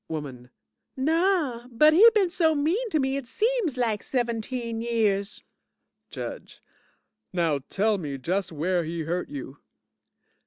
WOMAN Naw, but he been so mean to me, it seems lak seventeen years. JUDGE Now you tell me just where he hurt you.